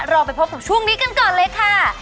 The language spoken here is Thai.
รอไปพบกันช่วงนี้ก่อนเลยค่ะ